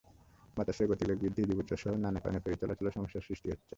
বাতাসের গতিবেগ বৃদ্ধি, ডুবোচরসহ নানা কারণে ফেরি চলাচলে সমস্যা সৃষ্টি হচ্ছে।